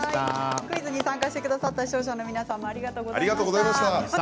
クイズに参加してくださった視聴者の皆さんありがとうございました。